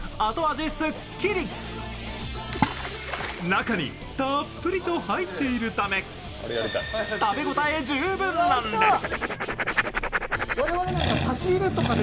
中にたっぷりと入っているため、食べ応え十分なんです。